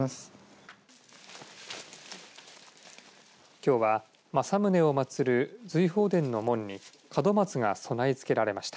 きょうは、政宗を祭る瑞鳳殿の門に門松が備え付けられました。